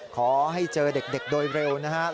ขอให้เจอเด็กโดยเร็วนะครับ